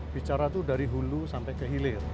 bicara itu dari hulu sampai kehilir